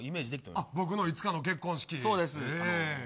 僕のいつかの結婚式。